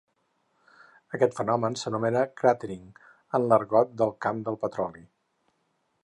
Aquest fenomen s'anomena "cratering" en l'argot del camp del petroli.